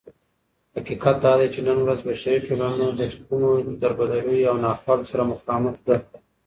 حقيقت دادى چې نن ورځ بشري ټولنه دكومو دربدريو او ناخوالو سره مخامخ ده